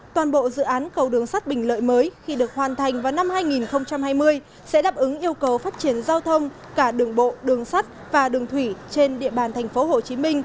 toàn bộ dự án cầu đường sắt bình lợi mới khi được hoàn thành vào năm hai nghìn hai mươi sẽ đáp ứng yêu cầu phát triển giao thông cả đường bộ đường sắt và đường thủy trên địa bàn tp hcm